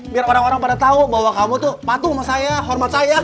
biar orang orang pada tahu bahwa kamu tuh patuh sama saya hormat saya